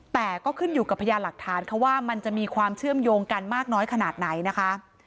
แต่ก็ขึ้นอยู่กับพยานหลักฐานค่ะว่ามันจะมีความเชื่อมโยงกันมากน้อยขนาดไหนนะคะ